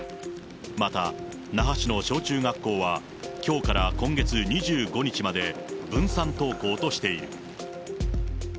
また那覇市の小中学校は、きょうから今月２５日まで分散登校としている。